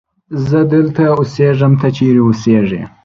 زه دلته اسیږم ته چیرت اوسیږی